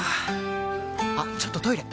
あっちょっとトイレ！